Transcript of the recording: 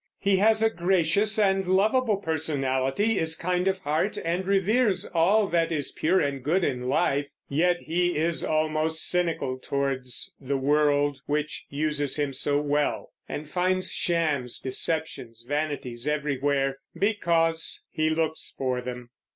He has a gracious and lovable personality, is kind of heart, and reveres all that is pure and good in life; yet he is almost cynical toward the world which uses him so well, and finds shams, deceptions, vanities everywhere, because he looks for them.